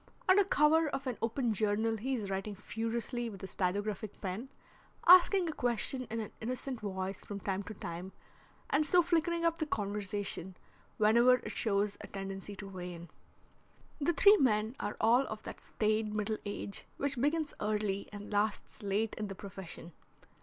Under cover of an open journal he is writing furiously with a stylographic pen, asking a question in an innocent voice from time to time and so flickering up the conversation whenever it shows a tendency to wane. The three men are all of that staid middle age which begins early and lasts late in the profession.